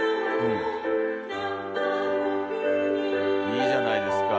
いいじゃないですか。